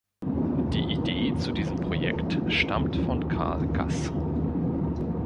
Die Idee zu diesem Projekt stammt von Karl Gass.